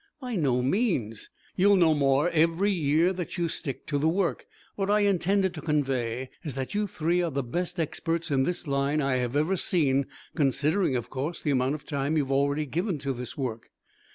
"By no means. You'll know more every year that you stick to the work. What I intended to convey is that you three are the best experts in this line I have ever seen, considering, of course, the amount of time you have already given to this work.